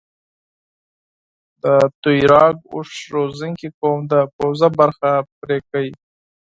د تویراګ اوښ روزنکي قوم د پوزه برخه پرې کوي.